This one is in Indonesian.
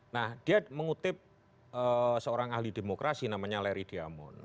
nah dia mengutip seorang ahli demokrasi namanya larry diamon